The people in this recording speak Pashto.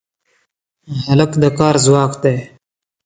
هلک د کار ځواک دی.